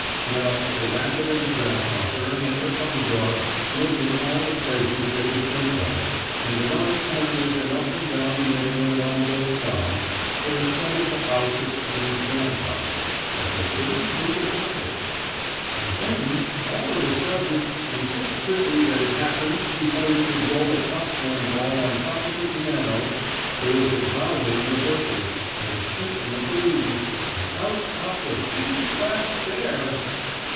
Well, the rabbit and the grasshopper and the puppy dog looked in all the places they could think of, and around corners and up and down the middle and on both sides, for a sight of the house of Peetie's grandpa, but they couldn't seem to find it. And then, all of a sudden, and so quickly that it happened before you could roll a popcorn ball on top of the piano, there was a growling in the bushes, and a shaking of the leaves, and out popped a big, black bear.